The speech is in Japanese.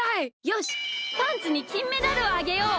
よしパンツにきんメダルをあげよう！